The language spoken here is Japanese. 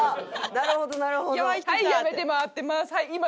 なるほどなるほど。